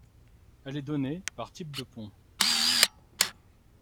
Elle est donnée par type de pont.